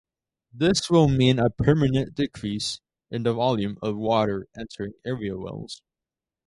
This will mean a permanent decrease in the volume of water entering area wells.